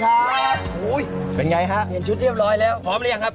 ครับโอ้ยเป็นไงฮะเปลี่ยนชุดเรียบร้อยแล้วพร้อมแล้วยังครับ